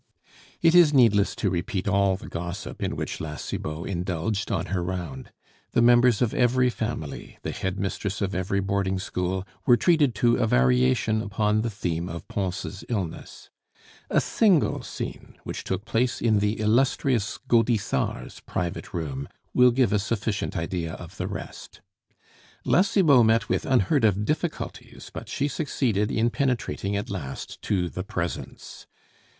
It is needless to repeat all the gossip in which La Cibot indulged on her round. The members of every family, the head mistress of every boarding school, were treated to a variation upon the theme of Pons' illness. A single scene, which took place in the Illustrious Gaudissart's private room, will give a sufficient idea of the rest. La Cibot met with unheard of difficulties, but she succeeded in penetrating at last to the presence.